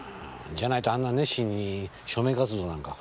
じゃないとあんな熱心に署名活動なんか。